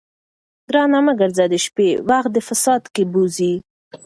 ګرانه مه ګرځه د شپې، وخت د فساد دي کښې بوځې